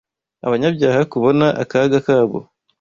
abanyabyaha kubona akaga kabo